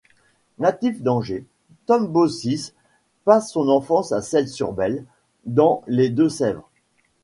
Natif d'Angers, Tom Bossis passe son enfance à Celles-sur-Belle, dans les Deux-Sèvres.